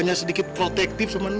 hanya sedikit protektif sama neng